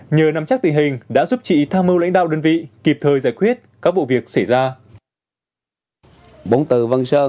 nhờ nắm chắc tình hình đã giúp chị tham mưu lãnh đạo đơn vị kịp thời giải quyết các vụ việc xảy ra